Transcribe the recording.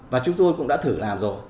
và chúng tôi cũng đã thử làm rồi